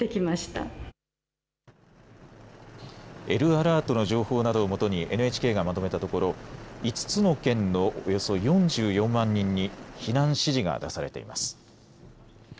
Ｌアラートの情報などをもとにＮＨＫがまとめたところ５つの県のおよそ４４万人に避難指示が出されています。